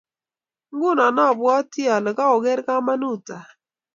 Nguno abwoti ale kaoker kamanut ab